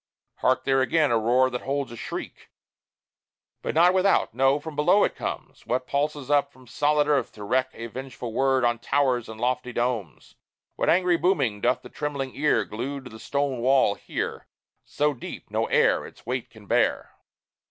Hark there again! a roar that holds a shriek! But not without no, from below it comes: What pulses up from solid earth to wreck A vengeful word on towers and lofty domes? What angry booming doth the trembling ear, Glued to the stone wall, hear So deep, no air Its weight can bear?